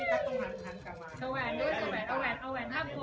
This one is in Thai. เอาแหวนด้วยเอาแหวนท่าโก